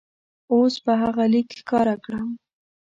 اوس به هغه لیک ښکاره کړم.